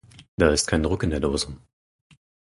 Da ist kein Druck in der Dose.